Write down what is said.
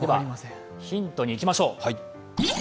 ヒントにいきましょう。